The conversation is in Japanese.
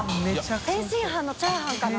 天津飯のチャーハンかな？